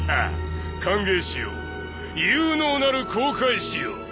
歓迎しよう有能なる航海士よ